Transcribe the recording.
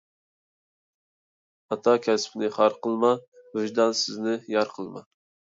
ئاتا كەسپىنى خار قىلما، ۋىجدانسىزنى يار قىلما.